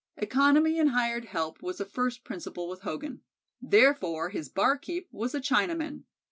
Economy in hired help was a first principle with Hogan. Therefore his "barkeep" was a Chinaman.